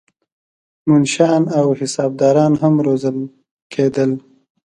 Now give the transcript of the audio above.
منشیان او حسابداران هم روزل کېدل.